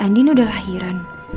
andin sudah lahiran